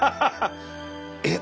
えっ